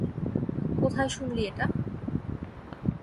কোথায় শুনলি এটা?